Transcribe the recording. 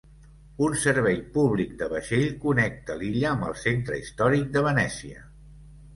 Un servei públic de vaixell connecta l'illa amb el centre històric de Venècia.